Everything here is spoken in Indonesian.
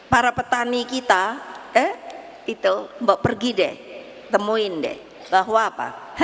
para petani kita itu mbok pergi deh temuin deh bahwa apa